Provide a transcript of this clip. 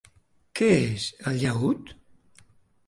Què és el llaüt?